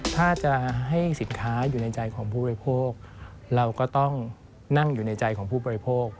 ถ้าจะให้สินค้าอยู่ในใจของผู้บริโภคเราก็ต้องนั่งอยู่ในใจของผู้บริโภค